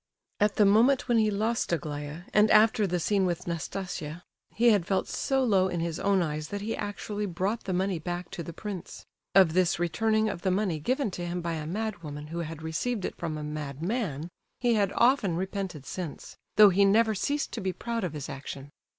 At the moment when he lost Aglaya, and after the scene with Nastasia, he had felt so low in his own eyes that he actually brought the money back to the prince. Of this returning of the money given to him by a madwoman who had received it from a madman, he had often repented since—though he never ceased to be proud of his action.